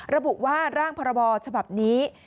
ระบุว่าร่างพรบฉบับนี้